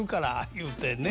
言うてね。